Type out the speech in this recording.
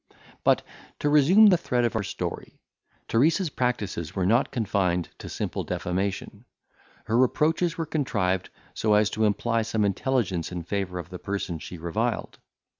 But, to resume the thread of our story. Teresa's practices were not confined to simple defamation. Her reproaches were contrived so as to imply some intelligence in favour of the person she reviled.